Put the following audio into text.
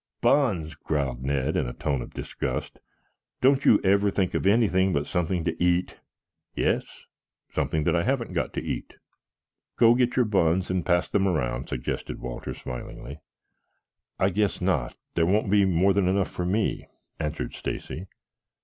"Buns!" growled Ned in a tone of disgust. "Don't you ever think of anything but something to eat?" "Yes something that I haven't got to eat." "Go get your buns and pass them around," suggested Walter smilingly. "I guess not. There won't be more than enough for me," answered Stacy.